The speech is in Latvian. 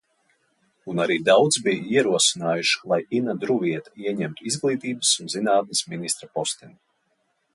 Un arī daudzi bija ierosinājuši, lai Ina Druviete ieņemtu izglītības un zinātnes ministra posteni.